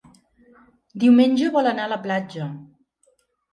Diumenge vol anar a la platja.